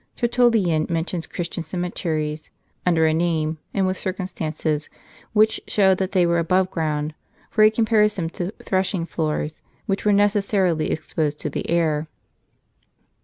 Tertullian mentions Christian cemeteries under a name, and with circumstances, which show that they were above ground, for he compares them to " threshing floors," which were necessarily exposed to the air.